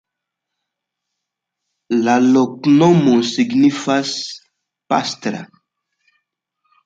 La loknomo signifas: pastra.